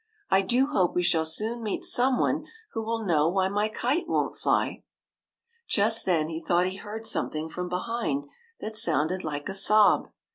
" I do hope we shall soon meet some one who will know why my kite won't fly." Just then, he thought he heard something from behind that sounded like a sob.